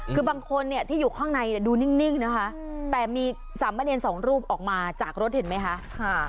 คือบางคนเนี่ยที่อยู่ข้างในดูนิ่งนะคะแต่มีสามเณรสองรูปออกมาจากรถเห็นไหมคะ